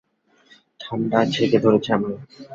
ঠান্ডা জেঁকে ধরেছে আমায়।